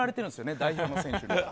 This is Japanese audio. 代表の選手に。